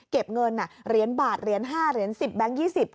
เก็บเงินเย็นบาทเย็นห้าเย็นสิบแบงก์ยี่สิบ